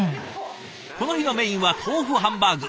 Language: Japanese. この日のメインは豆腐ハンバーグ。